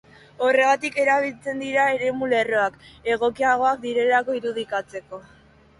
Horregatik erabiltzen dira eremu-lerroak, egokiagoak direlako irudikatzeko.